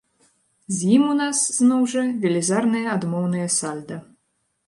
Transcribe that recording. З ім у нас, зноў жа, велізарнае адмоўнае сальда.